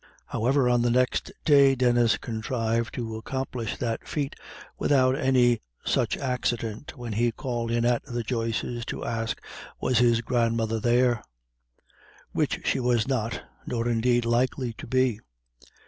However, on the very next day Denis contrived to accomplish that feat without any such accident when he called in at the Joyces' to ask was his grandmother there which she was not, nor indeed likely to be.